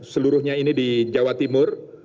seluruhnya ini di jawa timur